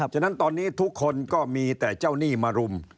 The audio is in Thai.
ฉะนั้นตอนนี้ทุกคนก็มีแต่เจ้าหนี้มารุม